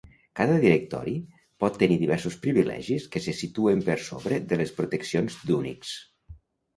Cada directori pot tenir diversos privilegis que se situen per sobre de les proteccions d'Unix.